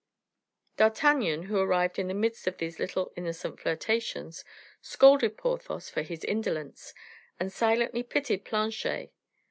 D'Artagnan, who arrived in the midst of these little innocent flirtations, scolded Porthos for his indolence, and silently pitied Planchet.